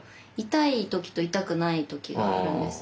痛い時と痛くない時があるんです。